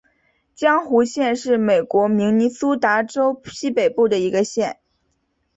红湖县是美国明尼苏达州西北部的一个县。